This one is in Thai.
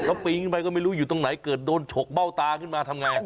แล้วปีนขึ้นไปก็ไม่รู้อยู่ตรงไหนเกิดโดนฉกเบ้าตาขึ้นมาทำไง